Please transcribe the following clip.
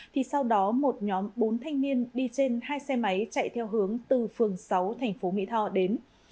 thì sau đó một nhóm bốn thanh niên đi trên hai xe máy chạy theo hướng từ phường sáu thành phố mỹ tho đến